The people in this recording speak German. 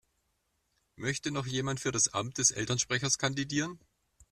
Möchte noch jemand für das Amt des Elternsprechers kandidieren?